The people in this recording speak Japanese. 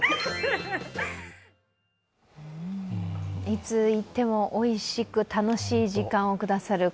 いつ行っても、おいしい楽しい時間をくださる